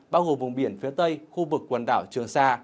bao gồm vùng biển phía tây khu vực quần đảo trường sa